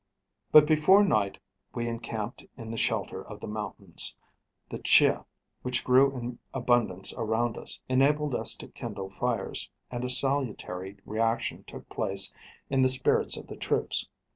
But before night we encamped in the shelter of the mountains; the chiah, which grew in abundance around us, enabled us to kindle fires, and a salutary reaction took place in the spirits of the troops.